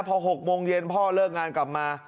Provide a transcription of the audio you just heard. พอ๖โมงเย็นพ่อเลิกงานกลับมา